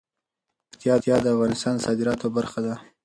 پکتیا د افغانستان د صادراتو برخه ده.